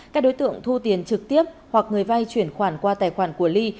các đối tượng thu tiền trực tiếp hoặc người vay chuyển khoản qua tài khoản của ly